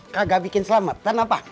kagak bikin selamatan apa